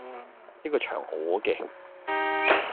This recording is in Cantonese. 呢個場我既